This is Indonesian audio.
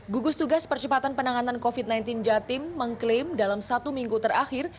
gugus tugas percepatan penanganan covid sembilan belas jatim mengklaim dalam satu minggu terakhir